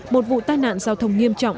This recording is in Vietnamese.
một vụ tai nạn giao thông nghiêm trọng